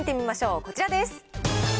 こちらです。